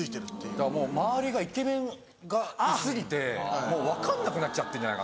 だからもう周りがイケメンがい過ぎてもう分かんなくなっちゃってんじゃないかなって。